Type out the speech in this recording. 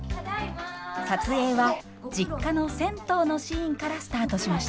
撮影は実家の銭湯のシーンからスタートしました。